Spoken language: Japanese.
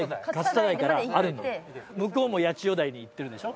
向こうも八千代台に行ってるでしょ。